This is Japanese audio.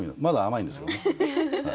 まだ甘いんですけどね。